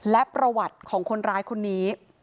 และประวัติของคนร้ายคนนี้